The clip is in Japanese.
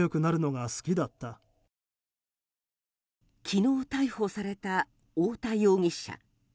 昨日逮捕された太田容疑者。